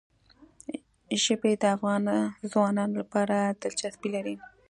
ژبې د افغان ځوانانو لپاره دلچسپي لري.